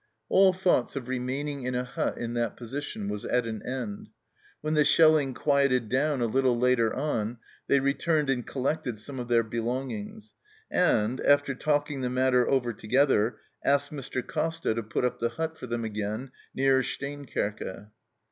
All thoughts of remaining in a hut in that position was at an end. When the shelling quieted down a little later on they returned and collected some of their belongings, arid, after talking the matter over together, asked Mr. Costa to put up the hut for them again nearer Steenkerke.